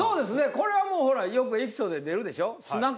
これはもうほらよくエピソードで出るでしょ。